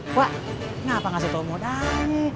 pak kenapa ngasih tahu modalnya